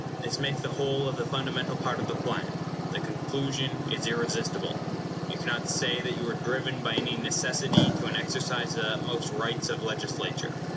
This makes the whole of the fundamental part of the plan. The conclusion is irresistible. You cannot say that you were driven by any necessity to an exercise of the utmost rights of legislature.